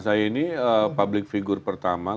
saya ini public figure pertama